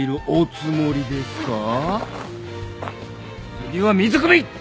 次は水くみ！